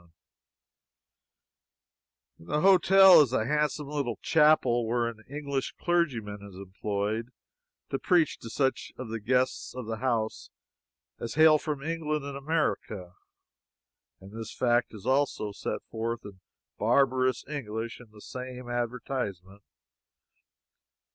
In the hotel is a handsome little chapel where an English clergyman is employed to preach to such of the guests of the house as hail from England and America, and this fact is also set forth in barbarous English in the same advertisement.